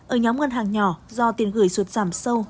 ở nhóm ngân hàng nhỏ do tiền gửi suốt giảm sâu